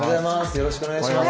よろしくお願いします。